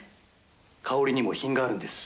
香りにも品があるんです。